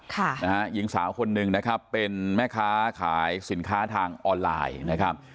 ค่ะนะฮะหญิงสาวคนหนึ่งนะครับเป็นแม่ค้าขายสินค้าทางออนไลน์นะครับ